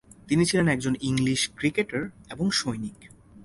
তিনি ছিলেন একজন ইংলিশ ক্রিকেটার এবং সৈনিক।